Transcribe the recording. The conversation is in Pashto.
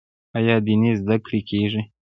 آیا دیني زده کړې کیږي؟